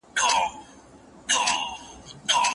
اکا وريرو ته ميراث نه ورکوي.